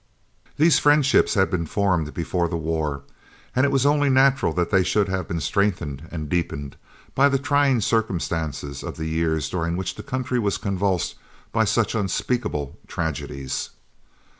These friendships had been formed before the war, and it was only natural that they should have been strengthened and deepened by the trying circumstances of the years during which the country was convulsed by such unspeakable tragedies.